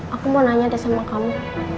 aku mau nanya sama kamu